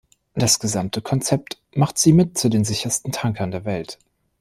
Das gesamte Konzept macht sie mit zu den sichersten Tankern der Welt.